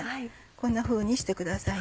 こんなふうにしてください。